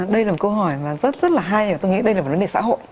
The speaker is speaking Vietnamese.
đây là một câu hỏi mà rất rất là hay tôi nghĩ đây là một vấn đề xã hội